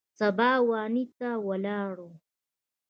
سبا واڼې ته ولاړو.